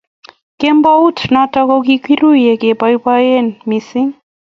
Kembout noto ko kikiruye keboiboen mising